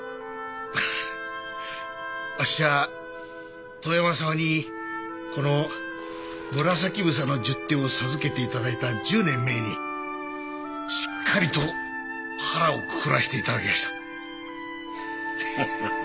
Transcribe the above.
あっしは遠山様にこの紫房の十手を授けて頂いた１０年前にしっかりと腹をくくらせて頂きやした。